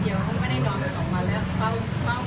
เขาจะเกลียดจะมองไม่เห็นเอง